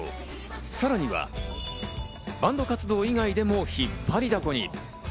さらにはバンド活動以外でも引っ張りだこに。